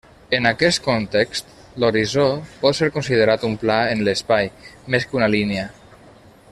En aquest context, l'horitzó pot ser considerat un pla en l'espai, més que una línia.